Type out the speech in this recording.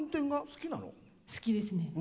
好きですね。